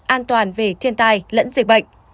an toàn về thiên tài lẫn dịch bệnh